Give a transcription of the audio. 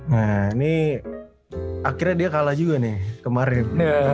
nah ini akhirnya dia kalah juga nih kemarin